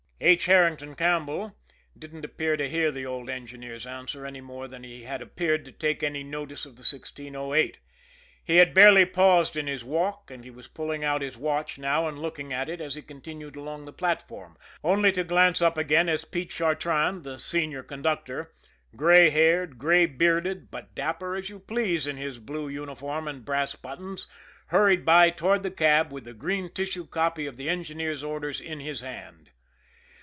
H. Herrington Campbell didn't appear to hear the old engineer's answer, any more than he had appeared to take any notice of the 1608. He had barely paused in his walk, and he was pulling out his watch now and looking at it as he continued along the platform only to glance up again as Pete Chartrand, the senior conductor, gray haired, gray bearded, but dapper as you please in his blue uniform and brass buttons, hurried by toward the cab with the green tissue copy of the engineer's orders in his hand.